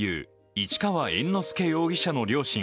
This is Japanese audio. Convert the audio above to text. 市川猿之助容疑者の両親